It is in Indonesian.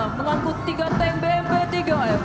mengangkut tiga tank bmp tiga f